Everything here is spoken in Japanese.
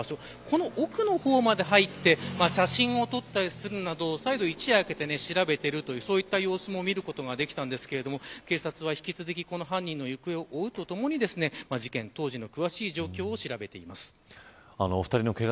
この奥の方に入って写真を撮ったりするなど再度、一夜明けて調べているといった様子も見ることができましたが警察は引き続き犯人の行方を追うとともに事件、当時の詳しい状況を調べています。